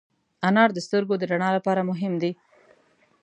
انار د سترګو د رڼا لپاره مهم دی.